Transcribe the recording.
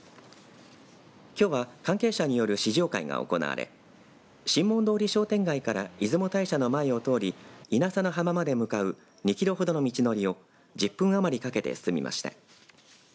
きょうは関係者による試乗会が行われ神門通り商店街から出雲大社の前を通り稲佐の浜まで向かう２キロほどの道のりを１０分余りかけて進みました。